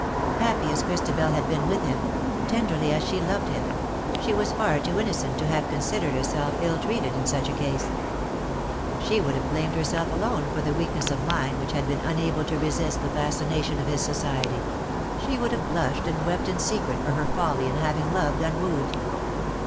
Happy as Christabel had been with him — tenderly as she loved him— she was far too innocent to have considered herself ill treated in such a case. She would have blamed herself alone for the weakness of mind which had been unable to resist the fascination of his society — she would have blushed and wept in secret for her folly in having loved unwooed.